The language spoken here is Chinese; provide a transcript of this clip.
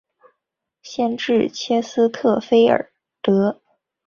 县治切斯特菲尔德。